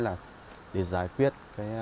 là để giải quyết